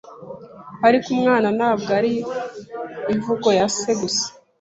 Ariko Umwana ntabwo ari imvugo ya Se gusa